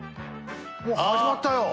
もう始まったよ。